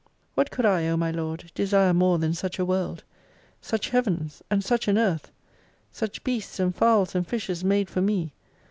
What could I, O my Lord, desire more than such a World ! Such Heavens and such an Earth ! Such beasts and fowls and fishes made for me.